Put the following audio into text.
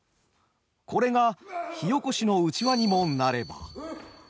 これが火おこしのうちわにもなれば。